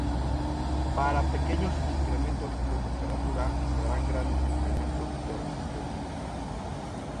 Para pequeños incrementos de temperatura, se darán grandes incrementos de resistencia.